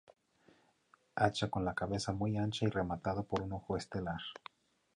Hacha con la cabeza muy ancha y rematada por un ojo estelar.